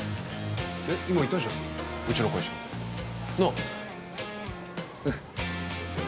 えっ今いたじゃんうちの会社なあうん